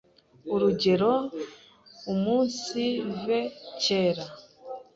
Urugerero umunsive kere,